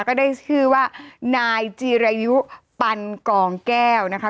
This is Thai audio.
ก็ได้ชื่อว่านายจีรายุปันกองแก้วนะคะ